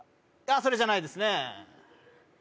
それじゃないですね